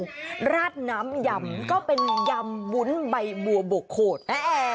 ด้วยน้ำหยำก็เป็นยำแบบวุ้นใบบัวบกโคตร